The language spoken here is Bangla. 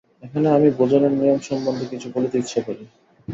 এখানে আমি ভোজনের নিয়ম সম্বন্ধে কিছু বলিতে ইচ্ছা করি।